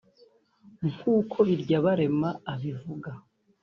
nk’uko Biryabarema abivuga